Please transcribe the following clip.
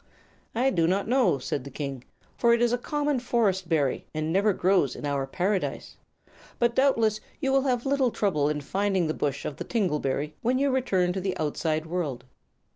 "I do not know," said the King, "for it is a common forest berry, and never grows in our paradise. But doubtless you will have little trouble in finding the bush of the tingle berry when you return to the outside world."